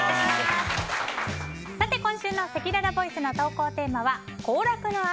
今週のせきららボイスの投稿テーマは行楽の秋！